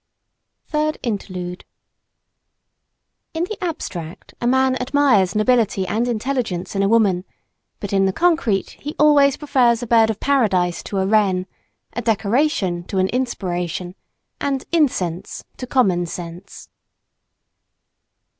THIRD INTERLUDE IN the abstract a man admires nobility and intelligence in a woman; but in the concrete he always prefers a bird of Paradise to a wren, a decoration to an inspiration and incense to common sense.